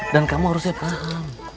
dan kamu harusnya paham